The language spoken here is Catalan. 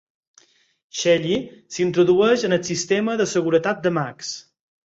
Shelly s'introdueix en el sistema de seguretat de Max.